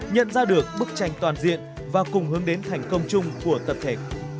nhận ra được bức tranh toàn diện và cùng hướng đến thành công chung của tập thể